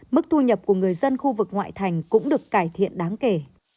mức thu nhập của người dân khu vực ngoại thành cũng được cải thiện đáng kể